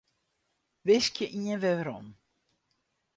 Wiskje ien werom.